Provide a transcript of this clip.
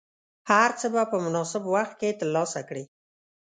هر څه به په مناسب وخت کې ترلاسه کړې.